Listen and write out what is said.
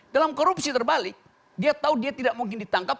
dalam korupsi terbalik dia tahu dia tidak mungkin ditangkap